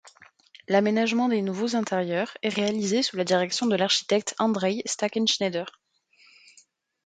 L'aménagement des nouveaux intérieurs est réalisée sous la direction de l'architecte Andreï Stackenschneider.